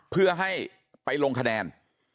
เพื่อให้ไปลงคะแนน